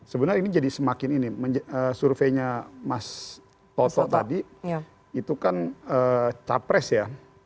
sebenarnya ini jadi semakin ini surveinya mas toto tadi itu kan capres ya